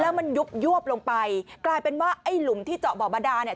แล้วมันยุบยวบลงไปกลายเป็นว่าไอ้หลุมที่เจาะบ่อบาดาเนี่ย